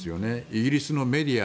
イギリスのメディア